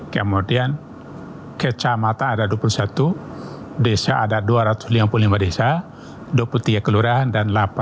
kemudian kecamatan ada dua puluh satu desa ada dua ratus lima puluh lima desa dua puluh tiga kelurahan dan delapan